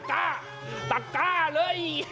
อุ๊ยตะกะตะกะตะกะเลย